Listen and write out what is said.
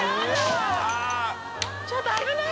ちょっと危ない！